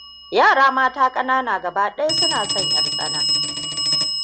Yara mata ƙanana gabaɗaya suna son ʻyar tsana.